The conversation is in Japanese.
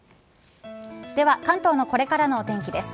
では関東のこれからのお天気です。